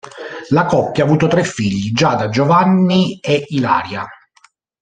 La coppia ha avuto tre figli: Giada, Giovanni e Ilaria.